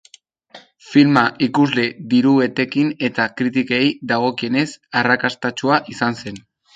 Filma ikusle, diru etekin eta kritikei dagokienez arrakastatsua izan zen.